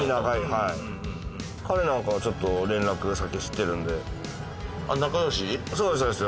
はい彼なんかはちょっと連絡先知ってるんでそうです